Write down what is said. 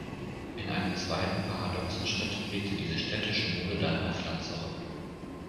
In einem zweiten paradoxen Schritt wirkte diese städtische Mode dann aufs Land zurück.